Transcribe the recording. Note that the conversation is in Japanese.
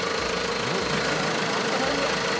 これ何歳ぐらいですか？